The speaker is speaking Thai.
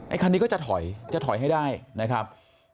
คันนี้ก็จะถอยจะถอยให้ได้นะครับ